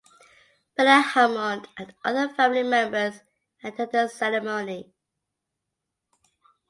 Bella Hammond and other family members attended the ceremony.